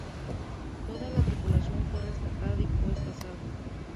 Toda la tripulación fue rescatada y puesta a salvo.